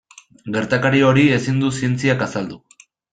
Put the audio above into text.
Gertakari hori ezin du zientziak azaldu.